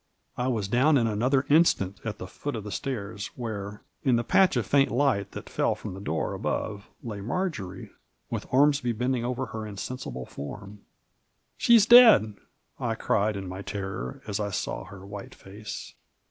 I was down in another instant, at the foot of the stairs, where, in the patch of faint light that fell from the door above, lay Marjory, with Ormsby bending over her insensible form. "She's deadl" I cried in my terror, as I saw her white face.